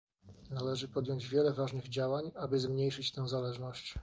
Należy podjąć wiele ważnych działań, aby zmniejszyć tę zależność